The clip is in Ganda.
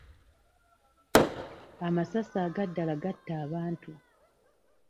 Amasasi aga ddala gatta abantu.